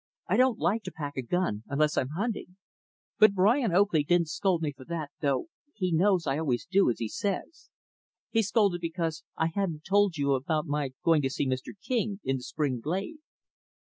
I don't like to 'pack a gun' unless I'm hunting. But Brian Oakley didn't scold me for that, though he knows I always do as he says. He scolded because I hadn't told you about my going to see Mr. King, in the spring glade."